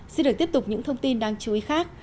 xin được tiếp tục những thông tin đáng chú ý khác